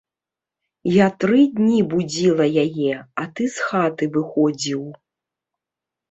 Я тры дні будзіла яе, а ты з хаты выходзіў.